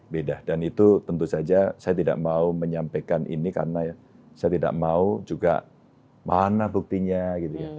beda dan itu tentu saja saya tidak mau menyampaikan ini karena ya saya tidak mau juga mana buktinya gitu ya